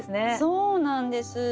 そうなんです。